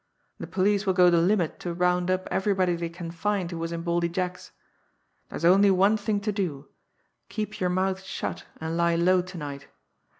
The police will go the limit to round up everybody they can find who was in Baldy Jack's. There's only one thing to do keep your mouth shut and lie low to night.